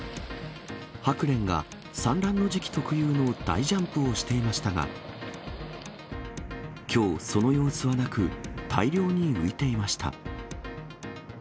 ハクレンが産卵の時期特有の大ジャンプをしていましたが、きょう、その様子はなく、大量に浮いていました。